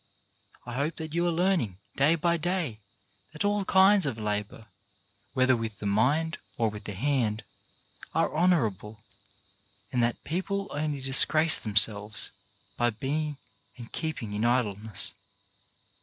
I hope that you are learning, day by day, that all kinds of labour — whether with the mind or with the hand — are honourable, and that people only disgrace themselves by being and keeping in idleness.